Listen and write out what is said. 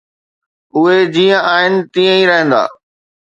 ”اهي جيئن آهن تيئن ئي رهندا.